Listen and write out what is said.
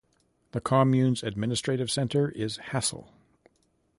The commune's administrative centre is Hassel.